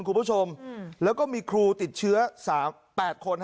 คุณผู้ชมแล้วก็มีครูติดเชื้อ๓๘คน